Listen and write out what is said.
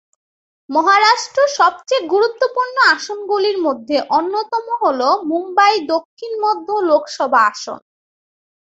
মহারাষ্ট্র সবচেয়ে গুরুত্বপূর্ণ আসনগুলির মধ্যে অন্যতম হল মুম্বই দক্ষিণ মধ্য লোকসভা আসন।